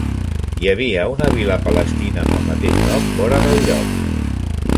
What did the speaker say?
Hi havia una vila palestina amb el mateix nom vora del lloc.